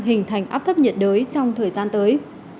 hình thành áp thấp nhiệt đới trong thời gian tới